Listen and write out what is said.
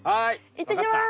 行ってきます！